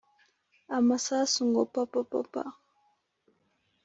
amasasu ngo papapapa